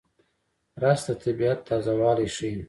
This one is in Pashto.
رس د طبیعت تازهوالی ښيي